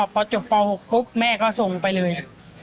พอจบป๖แม่ก็ส่งไปเลย